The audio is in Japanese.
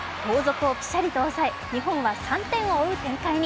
後続をピシャリと抑え、日本は３点を追う展開。